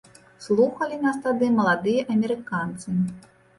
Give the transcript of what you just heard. Слухалі нас тады маладыя амерыканцы.